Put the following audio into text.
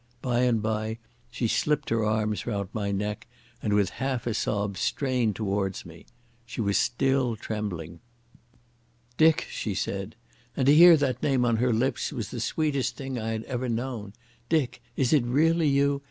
By and by she slipped her arms round my neck and with a half sob strained towards me. She was still trembling. "Dick," she said, and to hear that name on her lips was the sweetest thing I had ever known. "Dick, is it really you?